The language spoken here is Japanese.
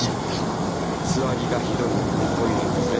「つわりがひどい」と言ってトイレに連れ込んだらしい。